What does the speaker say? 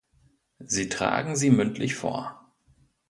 Sie tragen sie mündlich vor.